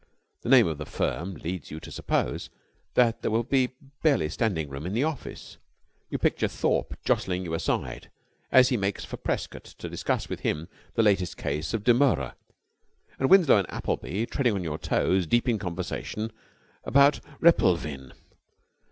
The name of the firm leads you to suppose that there will be barely standing room in the office. You picture Thorpe jostling you aside as he makes for Prescott to discuss with him the latest case of demurrer, and Winslow and Appleby treading on your toes, deep in conversation on replevin.